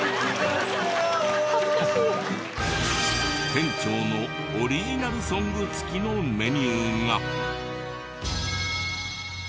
店長のオリジナルソング付きのメニューが。